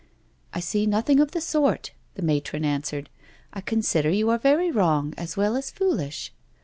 " I see nothing of the sort," the matron answered. I consider you are very wrong as well as foolish."